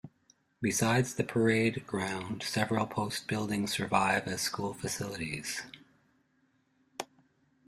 Besides the parade ground, several post buildings survive as school facilities.